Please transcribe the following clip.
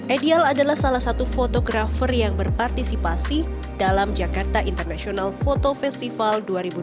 edial adalah salah satu fotografer yang berpartisipasi dalam jakarta international foto festival dua ribu dua puluh